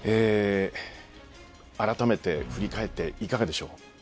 あらためて振り返っていかがでしょう。